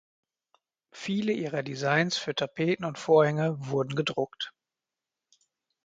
Viele ihrer Designs für Tapeten und Vorhänge wurden gedruckt.